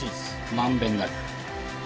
まんべんなく。